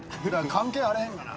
「関係あらへんがな。